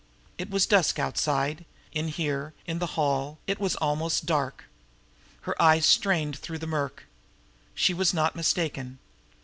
It was dusk outside; in here, in the hall, it was almost dark. Her eyes strained through the murk. She was not mistaken.